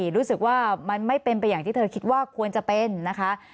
รู้สึกว่ามันไม่เป็นไปอย่างที่เธอคิดว่าควรจะเป็นนะคะ